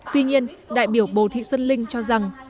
tuy nhiên đại biểu bồ thị xuân linh cho rằng